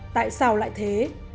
tại sao lại thế